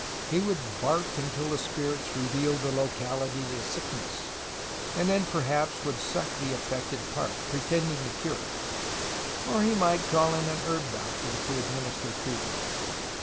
He would "bark" until the spirits revealed the locahty of the sickness, and then perhaps would suck the affected part, pretending to cure it, or he might call in an herb doctor to administer treatment.